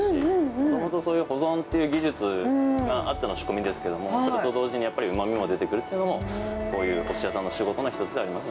もともとそういう保存という技術があっての仕込みですけれども、それと同時にやっぱりうまみも出てくるというのも、こういうおすし屋さんの仕事の一つであります。